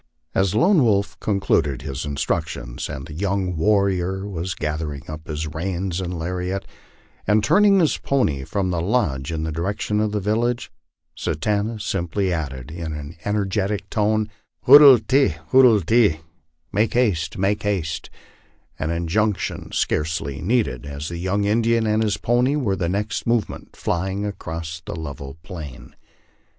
As Lone Wolf concluded his instructions, and the young warrior was gathering up his reins and lariat, and turning his pony from the lodge in the direction of the village, Satanta simply added, in an en ergetic tone, " Hoodle teh, hoodle teh" (make haste, make haste); an injunc tion scarcely needed, as the young Indian and his pony were the next moment flying across the level plain.